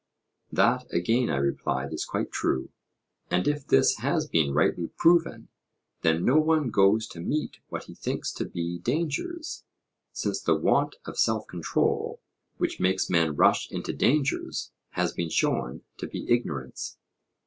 That, again, I replied, is quite true. And if this has been rightly proven, then no one goes to meet what he thinks to be dangers, since the want of self control, which makes men rush into dangers, has been shown to be ignorance.